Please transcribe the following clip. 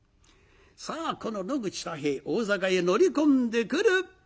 さあこの野口太兵衛大坂へ乗り込んでくる。